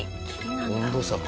温度差か。